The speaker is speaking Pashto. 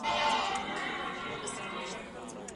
د مرتد سزا یو عبرت دی.